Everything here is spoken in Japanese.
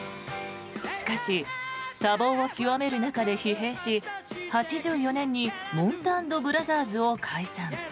しかし、多忙を極める中で疲弊し８４年にもんた＆ブラザーズを解散。